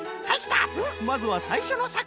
まずはさいしょのさくひん！